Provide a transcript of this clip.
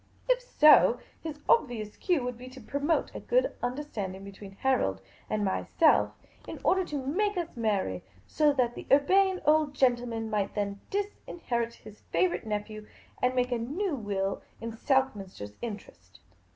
If so, his obvious cue would be to promote a good understanding between Harold and myself, in order to make us marry, so that the Urbane Old Gentleman might then disinherit his favourite nephew, and make a new will in Lord SoLLliiJ,' oter's interest.